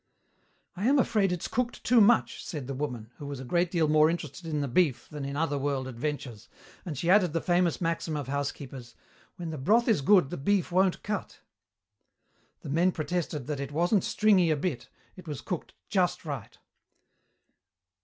"I am afraid it's cooked too much," said the woman, who was a great deal more interested in the beef than in other world adventures, and she added the famous maxim of housekeepers, "When the broth is good the beef won't cut." The men protested that it wasn't stringy a bit, it was cooked just right.